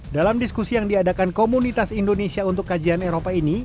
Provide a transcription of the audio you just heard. dalam diskusi yang diadakan komunitas indonesia untuk kajian eropa ini